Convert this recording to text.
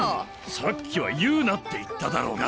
さっきは言うなって言っただろうが。